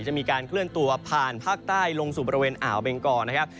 จะมีการเคลื่อนตัวผ่านภาคใต้ลงสู่บริเวณอ่าวเบงกอนะครับ